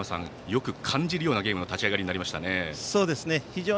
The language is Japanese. よく感じるようなゲームの立ち上がりになりましたね。